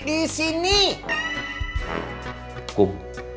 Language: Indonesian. di sini kum